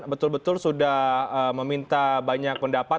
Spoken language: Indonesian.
betul betul sudah meminta banyak pendapat